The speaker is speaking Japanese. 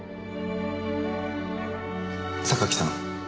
榊さん。